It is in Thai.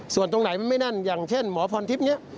ส่วนตรงไหนมันไม่แน่นอย่างเช่นหมอพรทิพย์เนี่ย